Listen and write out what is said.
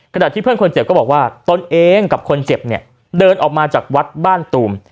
ขณะที่เพื่อนคนเจ็บก็บอกว่าตนเองกับคนเจ็บเนี่ยเดินออกมาจากวัดบ้านตูม